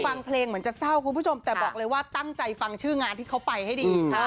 ฟังเพลงเหมือนจะเศร้าคุณผู้ชมแต่บอกเลยว่าตั้งใจฟังชื่องานที่เขาไปให้ดี